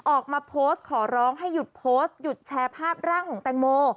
ออกมาโพสต์ขอร้องให้หยุดโพสต์หยุดแชร์ภาพร่างของแตงโม